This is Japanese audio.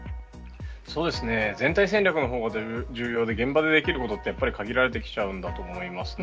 全体戦略の方が重要で国ができることってやっぱり限られてきちゃうんだと思いますね。